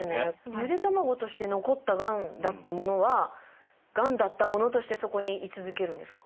ゆで卵として残ったがんだったものはがんだったものとしてそこに居続けるんですか？